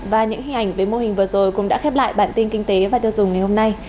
và những hình ảnh về mô hình vừa rồi cũng đã khép lại bản tin kinh tế và tiêu dùng ngày hôm nay